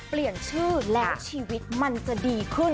เปลี่ยนชื่อแล้วชีวิตมันจะดีขึ้น